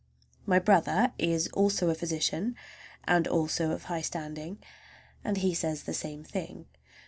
My brother is also a physician, and also of high standing, and he says the same thing.